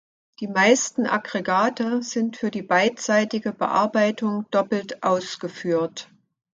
Die meisten Aggregate sind für die beidseitige Bearbeitung doppelt ausgeführt.